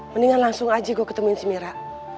mendingan langsung aja gue ketemuin si mira